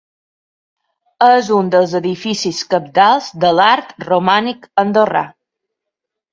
És un dels edificis cabdals de l'art romànic andorrà.